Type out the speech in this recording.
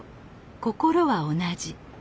心は同じ。